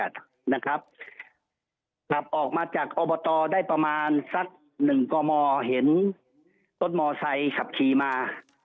ส่งขับออกมาะอจากอบตได้ประมาณสักหนึ่งก่อมเห็นเป้าหมอไซค์ขับชีมา